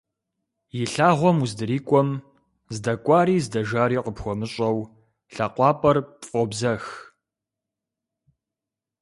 И лъагъуэм уздрикIуэм, здэкIуари здэжари къыпхуэмыщIэу, лъакъуапIэр пфIобзэх.